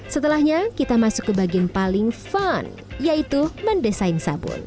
setelahnya kita masuk ke bagian paling fun yaitu mendesain sabun